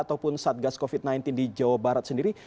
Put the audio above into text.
ataupun satgas covid sembilan belas di jawa barat sendiri